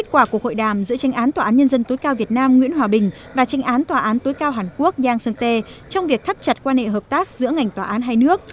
trên án tòa án nhân dân tối cao việt nam nguyễn hòa bình và trên án tòa án tối cao hàn quốc giang sơn tê trong việc thắt chặt quan hệ hợp tác giữa ngành tòa án hai nước